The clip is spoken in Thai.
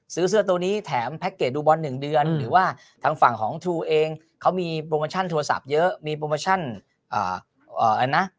เสื้อตัวนี้แถมแพ็คเกจดูบอล๑เดือนหรือว่าทางฝั่งของทรูเองเขามีโปรโมชั่นโทรศัพท์เยอะมีโปรโมชั่นนะ